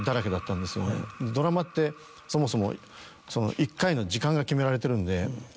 ドラマってそもそもその１回の時間が決められてるんで。